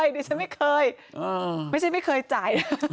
ดิฉันไม่เคยไม่ใช่ไม่เคยจ่าย